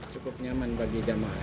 cukup nyaman bagi jemaah